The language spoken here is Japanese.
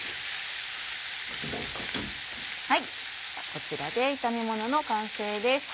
こちらで炒めものの完成です。